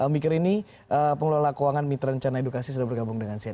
mikir ini pengelola keuangan mitra rencana edukasi sudah bergabung dengan cnn